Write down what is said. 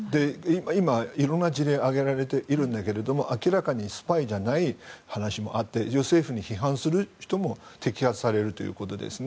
今、色んな事例が挙げられているんだけど明らかにスパイじゃない話もあって政府に批判する人も摘発されるということですね。